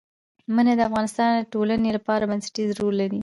منی د افغانستان د ټولنې لپاره بنسټيز رول لري.